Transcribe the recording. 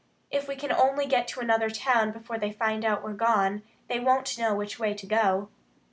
If we can only get to another town before they find out we're gone, they won't know which way to go."